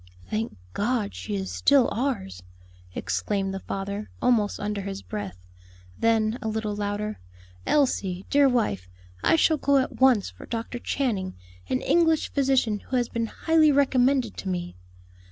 "Thank God! she is still ours!" exclaimed the father, almost under his breath; then, a little louder, "Elsie, dear wife, I shall go at once for Dr. Channing, an English physician who has been highly recommended to me."